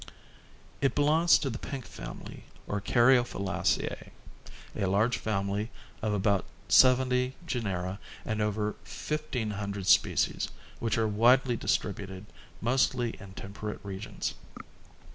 It belongs to the pink family or Caryophyllaceae a large family of about seventy genera and over 1,500 species, which are widely distributed, mostly in temperate regions.